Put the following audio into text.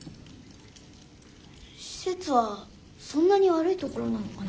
施設はそんなに悪いところなのかな？